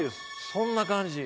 そんな感じ。